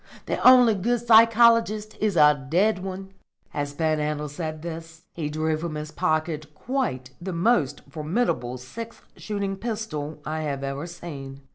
The only good psychologist is a dead one." As Panhandle said this, he drew from his pocket quite the most formidable six shooting pistol I have ever seen.